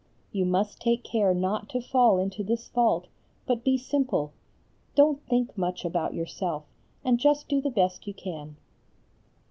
You must take care not to fall into this fault, but be simple; don't think much about yourself and just do the best you can.